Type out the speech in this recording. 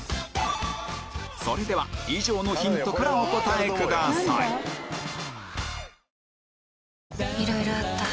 それでは以上のヒントからお答えくださいえっ！！